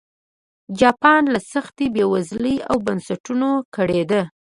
جاپان له سختې بېوزلۍ او بنسټونو کړېده.